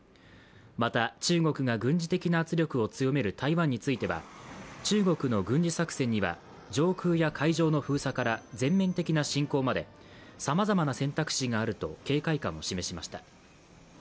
また中国が軍事的な圧力を強める台湾については中国の軍事作戦には上空や海上の封鎖から全面的な侵攻までさまざまな選択肢があると警戒感を示しました。